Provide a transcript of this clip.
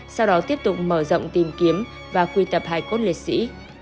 sau đó tiếp tục mở rộng tìm kiếm và quy tập hải cốt liệt sĩ